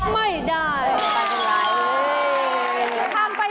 ไม่ได้โอเคโอเคไม่ได้